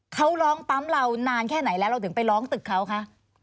เขาร้องปั๊มเรานานแค่ไหนแล้วเราถึงไปร้องตึกเขาคะ